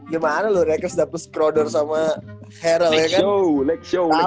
gimana lu legers dapur scrolder sama harrell ya kan